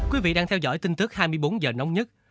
quý vị đang theo dõi tin tức hai mươi bốn h nóng nhất